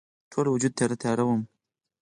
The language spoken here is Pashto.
ټول وجود تیاره، تیاره وم